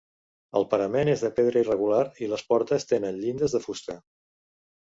El parament és de pedra irregular i les portes tenen llindes de fusta.